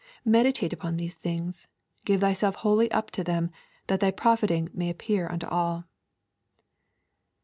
'Meditate upon these things; give thyself wholly up to them, that thy profiting may appear unto all.'